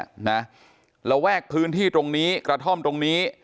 นะระแวกพื้นที่ตรงนี้กระท่อมตรงนี้